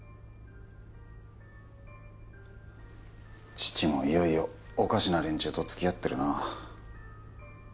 父もいよいよおかしな連中とつきあってるなあ